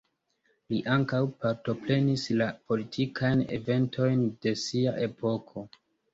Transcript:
Li ankaŭ partoprenis la politikajn eventojn de sia epoko.